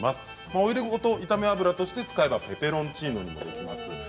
オイルごと炒め油として使えるペペロンチーノもできます。